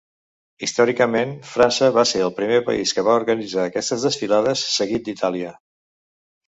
Històricament, França va ser el primer país que va organitzar aquestes desfilades, seguit d'Itàlia.